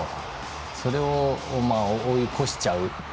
それを追い越しちゃう。